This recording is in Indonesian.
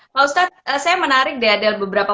pak ustadz saya menarik deh ada beberapa